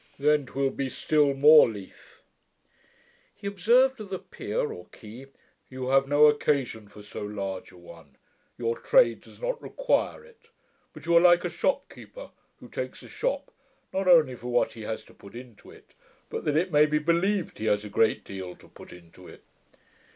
'Then 'twill be still more Lethe.' He observed of the pier or quay, 'you have no occasion for so large a one: your trade does not require it: but you are like a shopkeeper who takes a shop, not only for what he has to put into it, but that it may be believed he has a great deal to put into it'.